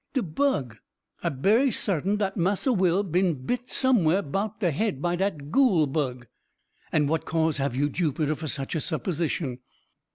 "De bug I'm berry sartin dat Massa Will bin bit somewhere 'bout de head by dat goole bug." "And what cause have you, Jupiter, for such a supposition?"